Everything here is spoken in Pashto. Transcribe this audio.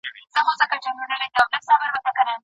که واقعیات سم وي پایلې هم رښتینې وي.